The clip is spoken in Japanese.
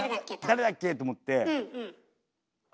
誰だっけと思ってあ